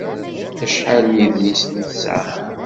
Acḥal n yedlisen i tesɛam?